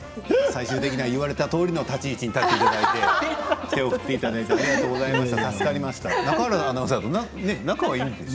最終的には言われたとおりの立ち位置に立っていただいて手を振っていただいてありがとうございます。